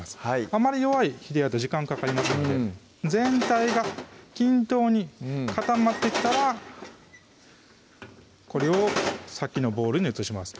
あまり弱い火でやると時間かかりますので全体が均等に固まってきたらこれをさっきのボウルに移します